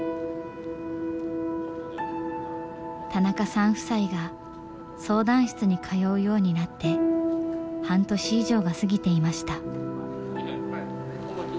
田中さん夫妻が相談室に通うようになって半年以上が過ぎていました。